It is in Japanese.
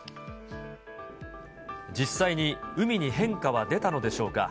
実際に海に変化は出たのでしょうか。